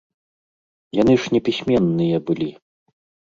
Яны ж непісьменныя былі!